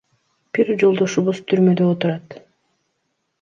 Бир жолдошубуз түрмөдө отурат.